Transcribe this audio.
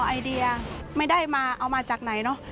ไอเดียไม่ได้มาเอามาจากไหนเนอะ